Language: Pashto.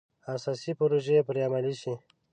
اساسي پروژې پرې عملي شي.